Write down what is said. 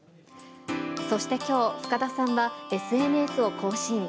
そしてきょう、深田さんは、ＳＮＳを更新。